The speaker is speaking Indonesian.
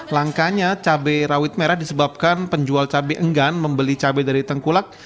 langkanya cabai rawit merah disebabkan penjual cabai enggan membeli cabai dari tengkulak